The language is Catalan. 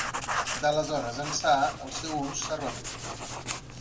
D'aleshores ençà, el seu ús s'ha reduït.